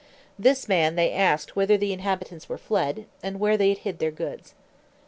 This man they asked whither the inhabitants were fled, and where they had hid their goods.